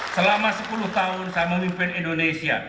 selama sepuluh tahun saya memimpin indonesia